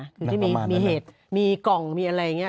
ถึงที่มีเห็ดมีกล่องมีอะไรอย่างนี้